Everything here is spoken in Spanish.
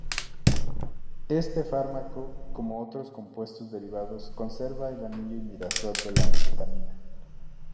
Éste fármaco, como otros compuestos derivados, conserva el anillo imidazol de la histamina.